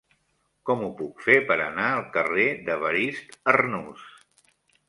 Com ho puc fer per anar al carrer d'Evarist Arnús?